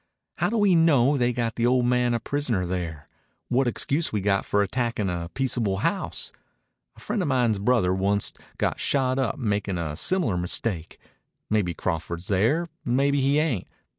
How do we know they got the old man a prisoner there? What excuse we got for attacktin' a peaceable house? A friend of mine's brother onct got shot up makin' a similar mistake. Maybe Crawford's there. Maybe he ain't.